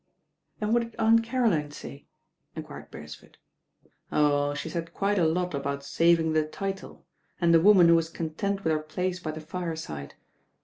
"And what did Aunt Caroline say?" enquired Bercsford. "Oh, she said quite a lot about saving the title, and the woman who was content with her place by the fireside.